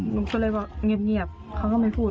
หนูก็เลยบอกเงียบเขาก็ไม่พูด